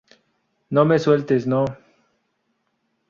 no me sueltes. no.